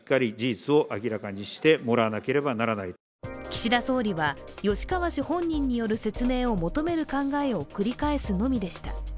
岸田総理は吉川氏本人による説明を求める考えを繰り返すのみでした。